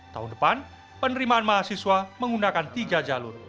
tahun depan penerimaan mahasiswa menggunakan tiga jalur